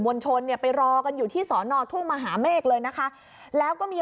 ลชนเนี่ยไปรอกันอยู่ที่สอนอทุ่งมหาเมฆเลยนะคะแล้วก็มี